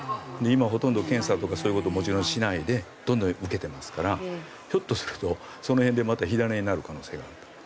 今ほとんど検査とかそういう事もちろんしないでどんどん受けてますからひょっとするとその辺でまた火種になる可能性があると。